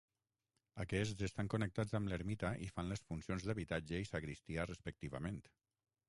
Aquests estan connectats amb l'ermita i fan les funcions d'habitatge i sagristia respectivament.